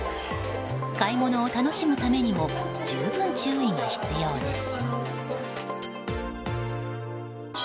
買い物を楽しむためにも十分、注意が必要です。